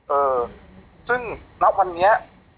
เออซึ่งณวันนี้